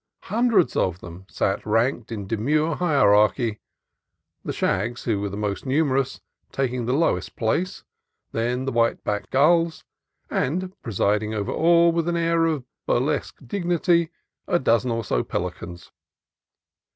Hundreds of them sat ranked in demure hierarchy, the shags, who were the most numerous, taking the lowest place, then the white backed gulls, and, presiding over all with an air of burlesque dignity, a dozen or so pelicans.